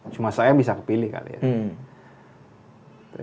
cuma saya bisa kepilih kali ya